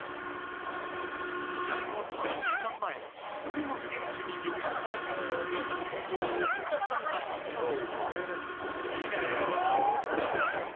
試合の３週間前上野選手に呼び出され練習場を訪れた昼太郎は。